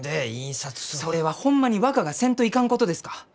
それはホンマに若がせんといかんことですか？